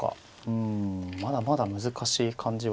うんまだまだ難しい感じはしますね。